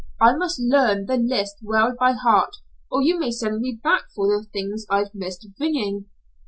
I must learn the list well by heart, or you may send me back for the things I've missed bringing."